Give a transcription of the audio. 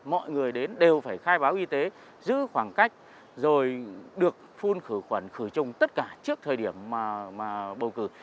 mọi người đến đều phải khai báo y tế giữ khoảng cách rồi được phun khử khuẩn khử trùng tất cả trước thời điểm mà bầu cử